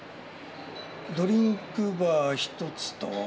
ドリンクバー１つと。